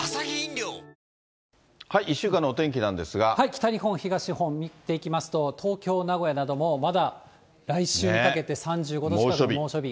北日本、東日本、見ていきますと、東京、名古屋などもまだ来週にかけて３５度近くの猛暑日。